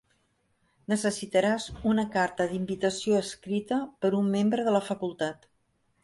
Necessitaràs una carta d'invitació escrita per un membre de la facultat.